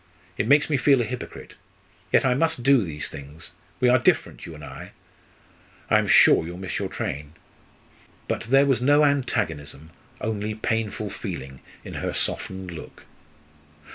It makes me feel a hypocrite; yet I must do these things; we are different, you and I I am sure you will miss your train!" But there was no antagonism, only painful feeling in her softened look.